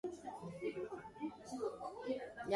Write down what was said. Vision.